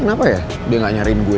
kenapa ya dia gak nyariin gue